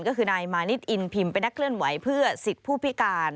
ก็คือนายมานิดอินพิมพ์เป็นนักเคลื่อนไหวเพื่อสิทธิ์ผู้พิการ